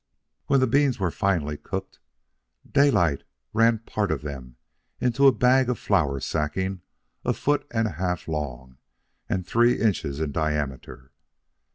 When the beans were finally cooked, Daylight ran part of them into a bag of flour sacking a foot and a half long and three inches in diameter.